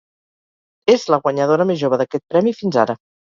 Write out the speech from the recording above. És la guanyadora més jove d'aquest premi fins ara.